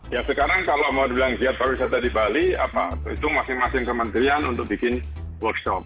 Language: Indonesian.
ya sekarang kalau mau dibilang pariwisata di bali itu masing masing kementerian untuk bikin workshop